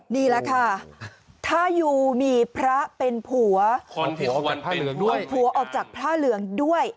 นี่แหละค่ะถ้ายูมีพระเป็นผัวเอาผัวออกจากผ้าเหลืองด้วย